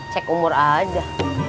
cek umur aja